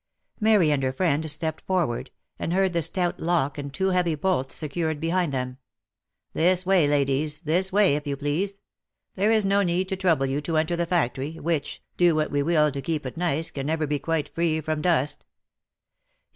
Mary and her friend stepped forward, and heard the stout lock and two heavy bolts secured behind them. " This" way, ladies, this way, if you please ; there is no need to trouble you to enter the factory, which, do what we will to keep it nice, can never be quite free from dust.